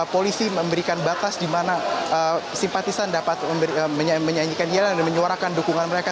polisi memberikan batas di mana simpatisan dapat menyanyikan jalan dan menyuarakan dukungan mereka